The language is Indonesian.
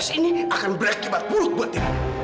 tes ini akan berakibat bulut buat dia